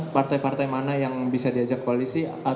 partai partai mana yang bisa diajak koalisi